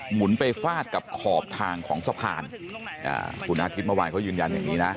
หมุนไปฟาดกับขอบทางของสะพานคุณอาทิตย์เมื่อวานเขายืนยันอย่างนี้นะ